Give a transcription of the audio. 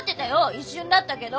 一瞬だったけど。